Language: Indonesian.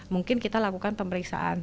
mungkin kita lakukan pemeriksaan